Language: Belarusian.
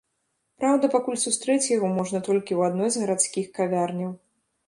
Праўда, пакуль сустрэць яго можна толькі ў адной з гарадскіх кавярняў.